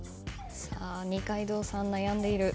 二階堂さん悩んでいる。